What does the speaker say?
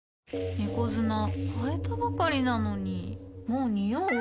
猫砂替えたばかりなのにもうニオう？